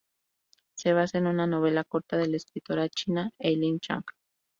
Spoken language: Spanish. Se basa en una novela corta de la escritora china Eileen Chang.